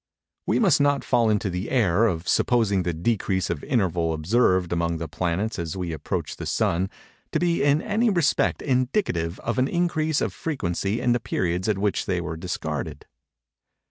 We must not fall into the error of supposing the decrease of interval observed among the planets as we approach the Sun, to be in any respect indicative of an increase of frequency in the periods at which they were discarded.